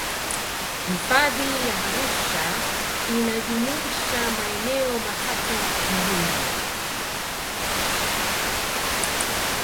hifadhi ya arusha inajumuisha maeneo matatu muhimu